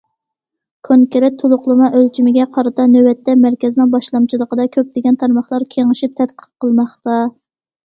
كونكرېت تولۇقلىما ئۆلچىمىگە قارىتا نۆۋەتتە مەركەزنىڭ باشلامچىلىقىدا كۆپلىگەن تارماقلار كېڭىشىپ تەتقىق قىلماقتا.